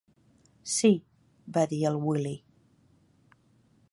Sí —va dir el Willy–.